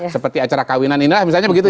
seperti acara kawinan inilah misalnya begitu